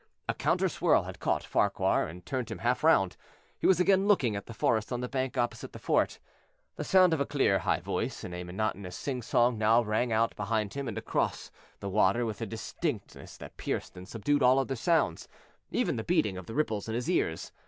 A counter swirl had caught Farquhar and turned him half round; he was again looking into the forest on the bank opposite the fort. The sound of a clear, high voice in a monotonous singsong now rang out behind him and came across the water with a distinctness that pierced and subdued all other sounds, even the beating of the ripples in his ears.